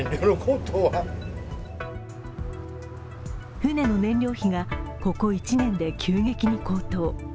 船の燃料費がここ１年で急激に高騰。